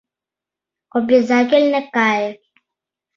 Обязательно кае!